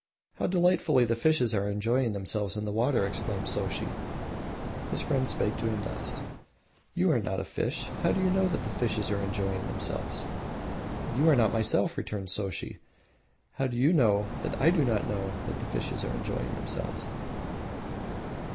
"How delightfully the fishes are enjoying themselves in the water!" exclaimed Soshi. His friend spake to him thus: "You are not a fish; how do you know that the fishes are enjoying themselves?" "You are not myself," returned Soshi; "how do you know that I do not know that the fishes are enjoying themselves?"